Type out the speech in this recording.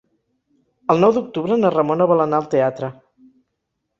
El nou d'octubre na Ramona vol anar al teatre.